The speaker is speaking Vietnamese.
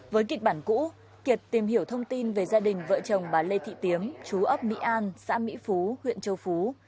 với kịch bản cũ kiệt tìm hiểu thông tin về gia đình vợ chồng bà lê thị tiếng chú ấp mỹ an xã mỹ phú huyện châu phú